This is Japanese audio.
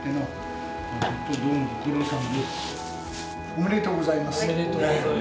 ありがとうございます。